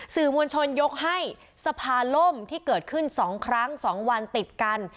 สื่อมวลชนยกให้สภาล่มที่เกิดขึ้น๒ครั้ง๒วันติดกัน